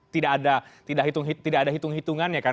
tidak ada hitung hitungan ya kan